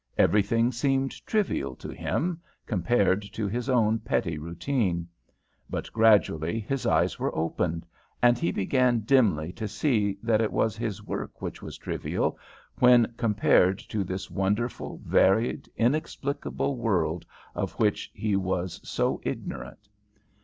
Everything seemed trivial to him compared to his own petty routine. But gradually his eyes were opened, and he began dimly to see that it was his work which was trivial when compared to this wonderful, varied, inexplicable world of which he was so ignorant.